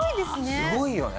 すごいよね。